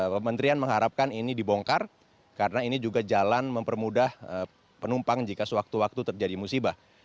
kementerian mengharapkan ini dibongkar karena ini juga jalan mempermudah penumpang jika sewaktu waktu terjadi musibah